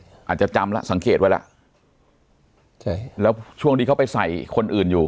อาจจะจำแล้วสังเกตไว้แล้วใช่แล้วช่วงที่เขาไปใส่คนอื่นอยู่